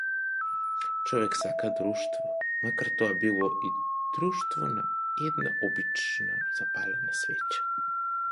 Човекот сака друштво, макар тоа било и друштвото на една обична запалена свеќа.